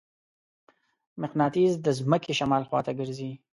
مقناطیس د ځمکې شمال خواته ګرځي.